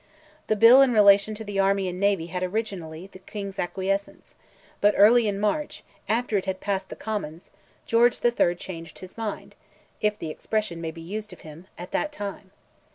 The bill in relation to the army and navy had, originally, the King's acquiescence; but early in March, after it had passed the Commons, George III. changed his mind—if the expression may be used of him—at that time.